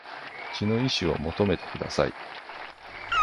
血の遺志を求めてください